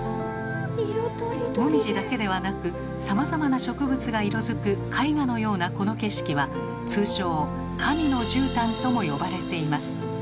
もみじだけではなくさまざまな植物が色づく絵画のようなこの景色は通称「神のじゅうたん」とも呼ばれています。